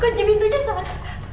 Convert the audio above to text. kunci pintunya sobat